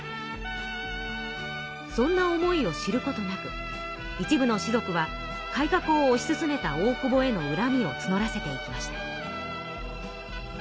そんな思いを知ることなく一部の士族は改革を推し進めた大久保へのうらみをつのらせていきました。